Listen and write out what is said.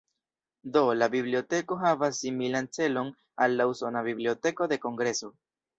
Do, la biblioteko havas similan celon al la usona Biblioteko de Kongreso.